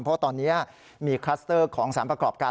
เพราะตอนนี้มีคลัสเตอร์ของสารประกอบการ